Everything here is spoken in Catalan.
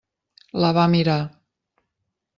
La va mirar.